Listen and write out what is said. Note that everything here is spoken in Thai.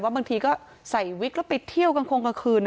บางทีก็ใส่วิกแล้วไปเที่ยวกลางคงกลางคืน